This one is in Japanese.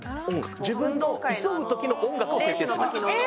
自分の急ぐときの音楽を設定するえ！？